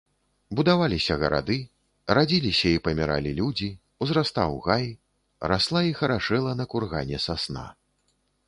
Будаваліся гарады, радзіліся і паміралі людзі, узрастаў гай, расла і харашэла на кургане сасна.